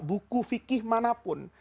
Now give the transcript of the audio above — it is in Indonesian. buku fikih manapun